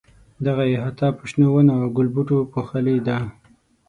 دغه احاطه په شنو ونو او ګلبوټو پوښلې ده.